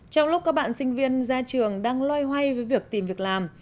trong lúc các bạn sinh viên ra trường đang loay hoay với việc tìm việc làm